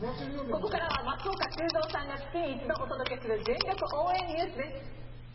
ここからは松岡修造さんが月に一度お届けする全力応援ＮＥＷＳです。